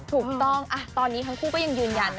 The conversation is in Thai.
ถูกต้องตอนนี้ทั้งคู่ก็ยังยืนยันนะ